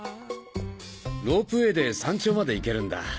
ロープウェーで山頂まで行けるんだ。